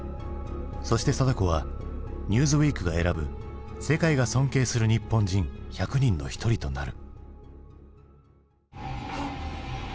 そして貞子は「Ｎｅｗｓｗｅｅｋ」が選ぶ世界が尊敬する日本人１００人の一人となる。